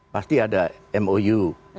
pasti ada mou